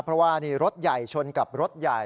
เพราะว่านี่รถใหญ่ชนกับรถใหญ่